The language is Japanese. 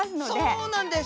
そうなんです。